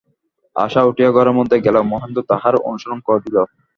আশা উঠিয়া ঘরের মধ্যে গেল–মহেন্দ্র তাহার অনুসরণ করিল।